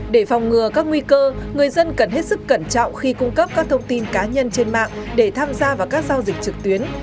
để phòng ngừa các nguy cơ người dân cần hết sức cẩn trọng khi cung cấp các thông tin cá nhân trên mạng để tham gia vào các giao dịch trực tuyến